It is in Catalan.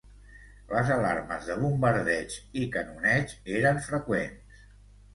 Les alarmes de bombardeig i canoneig eren freqüents